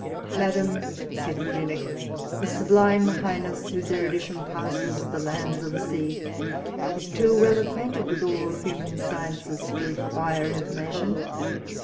Madam, said the eunuch, his sublime highness, whose erudition passes the lands of the sea, is too well acquainted with all human sciences to require information.